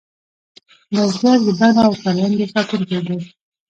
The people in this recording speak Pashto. بزګر د بڼو او کروندو ساتونکی دی